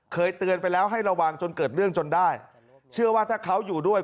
เคยเตือนไปแล้วให้ระวังจนเกิดเรื่องจนได้เชื่อว่าถ้าเขาอยู่ด้วย